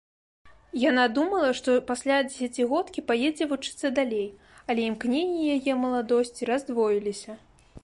Яна думала, што пасля дзесяцігодкі паедзе вучыцца далей, але імкненні яе маладосці раздвоіліся.